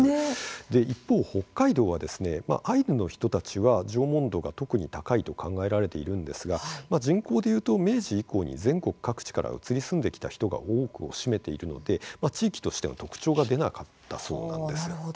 一方、北海道はアイヌの人たちは縄文度が特に高いと考えられているんですが人口でいうと、明治以降に全国各地から移り住んできた人が多くを占めているので地域としての特徴が出なかったそうなんです。